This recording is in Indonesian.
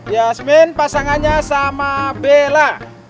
yasmin pasangannya sama bella